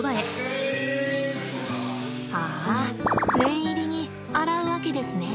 ああ念入りに洗うわけですね。